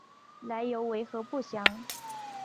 来由为何不详。